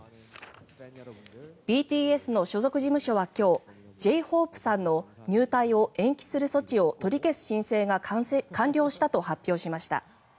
ＢＴＳの所属事務所は今日Ｊ−ＨＯＰＥさんの入隊を延期する措置を取り消す申請が完了したと発表しました。